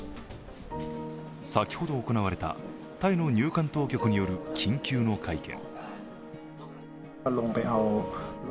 先ほど行われたタイの入管当局による緊急の会見。